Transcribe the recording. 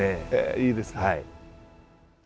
いいですね。